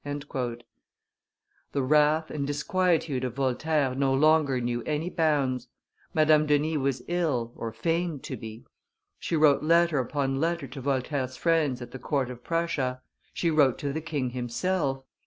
[Illustration: Arrest of Voltaire 298] The wrath and disquietude of Voltaire no longer knew any bounds; Madame Denis was ill, or feigned to be; she wrote letter upon letter to Voltaire's friends at the court of Prussia; she wrote to the king himself.